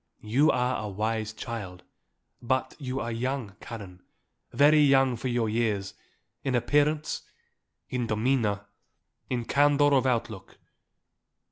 You are a wise child; but you are young, Karen, very young for your years, in appearance, in demeanour, in candour of outlook.